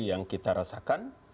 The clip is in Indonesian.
yang kita rasakan